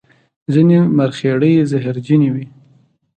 ځینې مرخیړي زهرجن وي